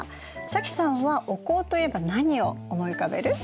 早紀さんはお香といえば何を思い浮かべる？